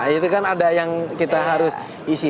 itu kan ada yang kita harus isi